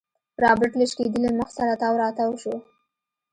رابرټ له شکېدلي مخ سره تاو راتاو شو.